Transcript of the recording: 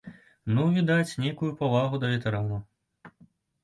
Ну, відаць, нейкую павагу да ветэранаў.